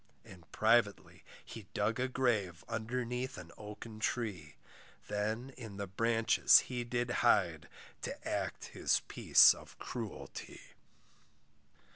And privately he dug a grave Underneath an oaken tree. Then in the branches he did hide, To act his piece of cruelty.